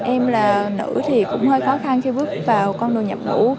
em là nữ thì cũng hơi khó khăn khi bước vào con đường nhập ngũ